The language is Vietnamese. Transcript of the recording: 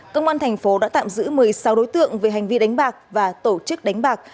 công an thành phố đã tạm giữ một mươi sáu đối tượng về hành vi đánh bạc và tổ chức đánh bạc